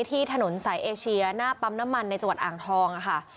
ที่ถนนสายเอเชียหน้าปั๊มน้ำมันในจังหวัดอ่างทองค่ะ